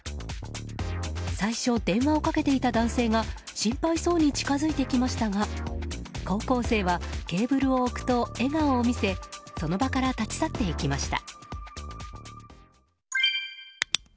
最初、電話をかけていた男性が心配そうに近づいてきましたが高校生はケーブルを置くと笑顔を見せその場から立ち去っていきました。